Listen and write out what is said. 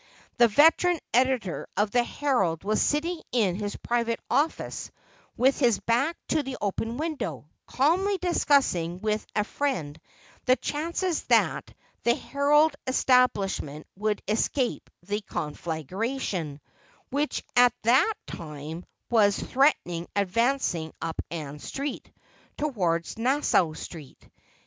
The veteran editor of the Herald was sitting in his private office with his back to the open window, calmly discussing with a friend the chances that the Herald establishment would escape the conflagration, which at that time was threateningly advancing up Ann Street, toward Nassau Street.